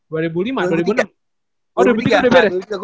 oh dua ribu tiga udah beres